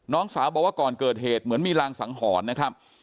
น้องสาวบอกว่าก่อนเกิดเหตุเหมือนมีรางสังหรณ์นะครับ